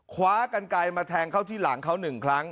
คว้ากันไกลมาแทงเข้าที่หลังเขา๑ครั้ง